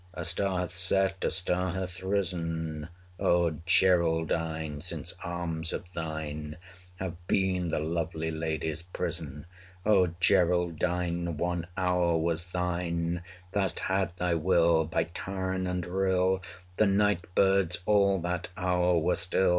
A star hath set, a star hath risen, O Geraldine! since arms of thine Have been the lovely lady's prison. O Geraldine! one hour was thine 305 Thou'st had thy will! By tairn and rill, The night birds all that hour were still.